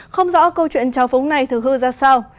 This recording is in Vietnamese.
không rõ câu chuyện trào phóng này thực hư ra sao